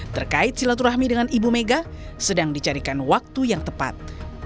terkait silaturahmi dengan ibu mega sedang dicarikan waktu yang tepat